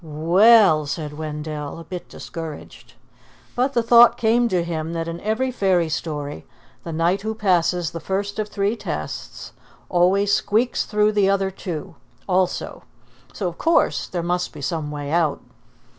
"We ell!" said Wendell, a bit discouraged. But the thought came to him that in every fairy story the knight who passes the first of three tests always squeaks through the other two also, so of course there must be some way out.